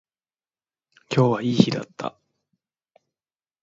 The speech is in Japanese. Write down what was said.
今日はいい日だった